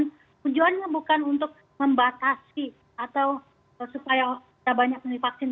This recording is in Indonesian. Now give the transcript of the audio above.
dan tujuannya bukan untuk membatasi atau supaya banyak penyakit vaksin